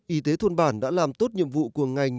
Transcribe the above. y tế thôn bản đã làm tốt nhiệm vụ của ngành